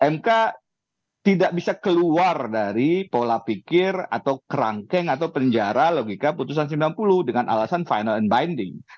mk tidak bisa keluar dari pola pikir atau kerangkeng atau penjara logika putusan sembilan puluh dengan alasan final and binding